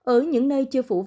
ở những nơi chưa phủ vaccine